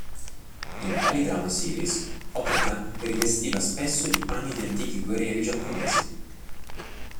In tali "drama-series," Ogata rivestiva spesso i panni di antichi guerrieri giapponesi.